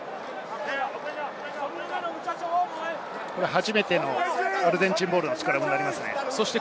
初めてのアルゼンチンボールのスクラムですね。